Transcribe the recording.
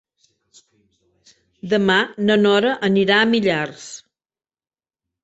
Demà na Nora anirà a Millars.